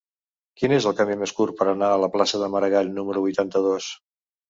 Quin és el camí més curt per anar a la plaça de Maragall número vuitanta-dos?